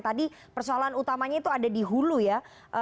tadi persoalan utamanya itu ada di hulu ya